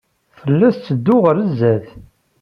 Tella tetteddu ɣer sdat.